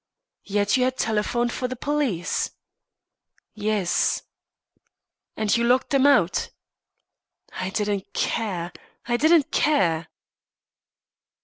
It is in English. "Yet you had telephoned for the police?" "Yes." "And then locked them out?" "I didn't care I didn't care."